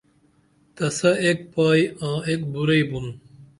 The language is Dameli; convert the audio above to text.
تسہ ایک پائی آں ایک بُرعئی بُون